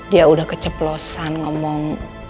dia udah keceplosan ngomong